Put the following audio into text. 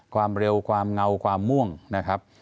ความเร็วความเงาความม่วงนะครับ